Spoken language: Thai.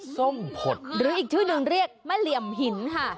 ส้มผดหรืออีกชื่อหนึ่งเรียกแม่เหลี่ยมหินค่ะ